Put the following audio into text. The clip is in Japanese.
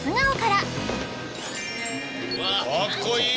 かっこいい。